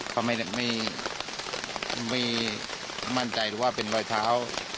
เพราะไม่มีมั่นใจว่าเป็นรอยเท้า